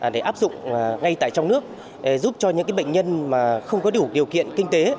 để áp dụng ngay tại trong nước giúp cho những bệnh nhân mà không có đủ điều kiện kinh tế